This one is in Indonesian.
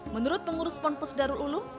menurut pengurus ponpus darul ulum